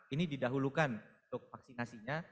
ini didahulukan untuk vaksinasinya